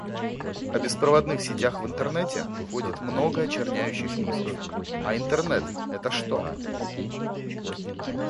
«О беспроводных сетях в интернете ходит много очерняющих мифов». — «А интернет это что?»